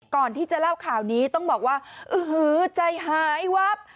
ก่อนที่จะเล่าข่าวนี้ต้องบอกว่าอื้อหือใจหายวับ